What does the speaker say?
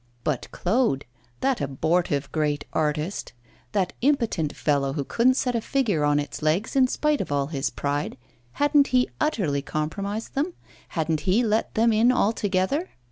But Claude, that abortive great artist, that impotent fellow who couldn't set a figure on its legs in spite of all his pride, hadn't he utterly compromised them, hadn't he let them in altogether?